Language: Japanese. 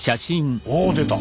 おお出た。